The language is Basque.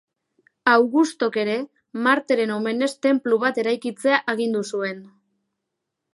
Augustok ere, Marteren omenez tenplu bat eraikitzea agindu zuen.